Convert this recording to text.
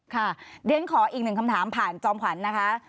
เรียนขออีกหนึ่งคำถามผ่านจอมขวัญนะคะ